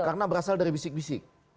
karena berasal dari bisik bisik